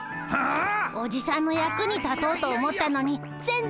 おじさんの役に立とうと思ったのに全然できなくて。